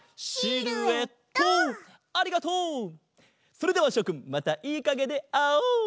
それではしょくんまたいいかげであおう！